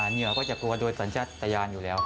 เยียวก็จะกลัวโดยสัญญาณอยู่แล้ว